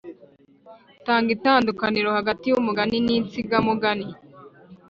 Tanga itandukaniro hagati y’umugani n’insigamugani